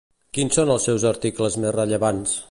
Quins són els seus articles més rellevants?